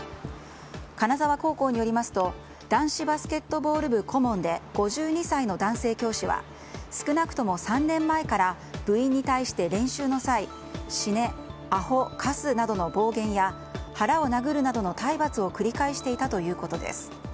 金沢高校によりますと男子バスケットボール部顧問で５２歳の男性教師は少なくとも３年前から部員に対して、練習の際死ね、あほ、カスなどの暴言や腹を殴るなどの体罰を繰り返していたということです。